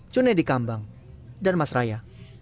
cunedi kambang damas raya